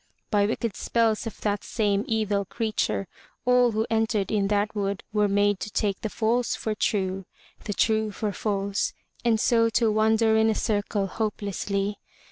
By wicked spells of that same evil creature, all who entered in that wood were made to take the false for true, the true for false, and so to wander in a circle hopelessly.